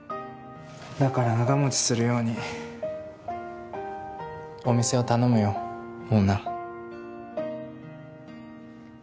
だから長もちするようにお店を頼むよオーナー。